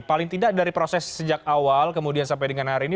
paling tidak dari proses sejak awal kemudian sampai dengan hari ini